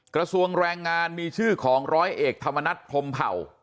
กระทรวงแรงงานมีชื่อของร้อยเอกธรรมนัฐพรมเผ่า